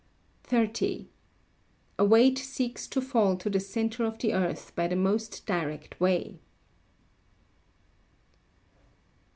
30. A weight seeks to fall to the centre of the earth by the most direct way.